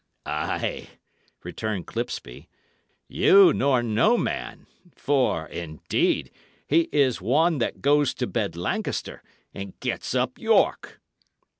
"Ay," returned Clipsby, "you, nor no man. For, indeed, he is one that goes to bed Lancaster and gets up York."